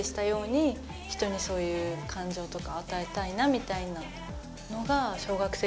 みたいなのが。